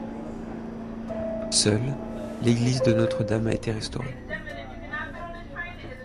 Seule, l'église de Notre-Dame a été restaurée.